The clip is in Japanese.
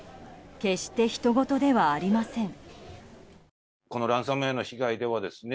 決してひとごとではありません。